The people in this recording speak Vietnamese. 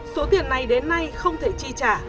số tiền này đến nay không thể chi trả